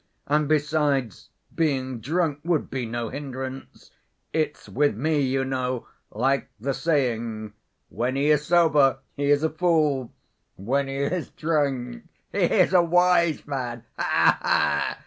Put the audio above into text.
And, besides, being drunk would be no hindrance. It's with me, you know, like the saying: 'When he is sober, he is a fool; when he is drunk, he is a wise man.' Ha ha!